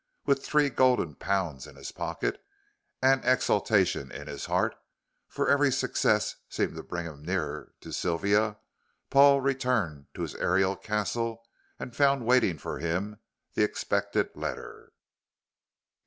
With three golden pounds in his pocket and exultation in his heart for every success seemed to bring him nearer to Sylvia Paul returned to his aerial castle and found waiting for him the expected letter.